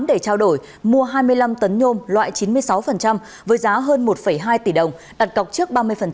để trao đổi mua hai mươi năm tấn nhôm loại chín mươi sáu với giá hơn một hai tỷ đồng đặt cọc trước ba mươi